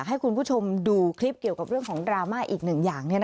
ให้คุณผู้ชมดูคลิปเกี่ยวกับเรื่องของดราม่าอีกหนึ่งอย่าง